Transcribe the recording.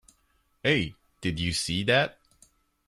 Hey! Did you see that?